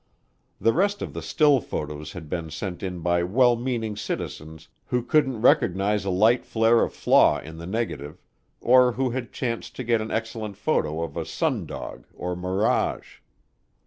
The rest of the still photos had been sent in by well meaning citizens who couldn't recognize a light flare of flaw in the negative, or who had chanced to get an excellent photo of a sundog or mirage.